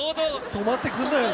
とまってくんないよね。